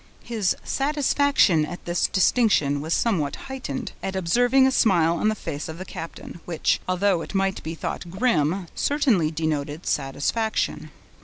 His satisfaction at this distinction was somewhat heightened, at observing a smile on the face of the captain, which, although it might be thought grim, certainly denoted satisfaction.